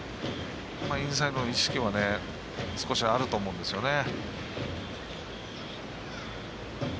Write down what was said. インサイドの意識は少しあると思うんですよね。